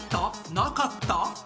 なかった？